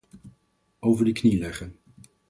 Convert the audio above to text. Over de knie leggen.